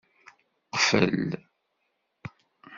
Qfel.